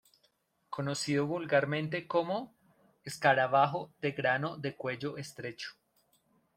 Conocido vulgarmente como "escarabajo de grano de cuello estrecho".